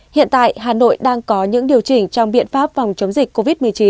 hiện tại hà nội đang có những điều chỉnh trong biện pháp phòng chống dịch covid một mươi chín